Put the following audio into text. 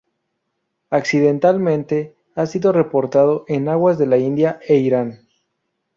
Accidentalmente ha sido reportado en aguas de la India e Irán.